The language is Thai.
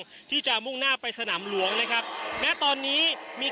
ที่จะรักษาที่จะมุ่งหน้าไปสน่ำหลวงนะครับและตอนนี้มี